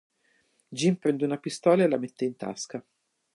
Jim prende una pistola e la mette in tasca.